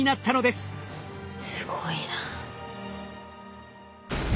すごいな。